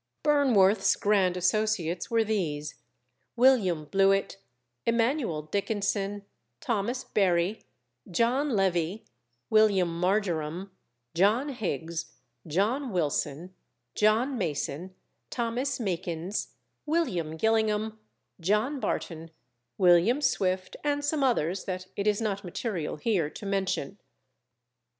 Burnworth's grand associates were these, William Blewit, Emanuel Dickenson, Thomas Berry, John Levee, William Marjoram, John Higgs, John Wilson, John Mason, Thomas Mekins, William Gillingham, John Barton, William Swift, and some others that it is not material here to mention.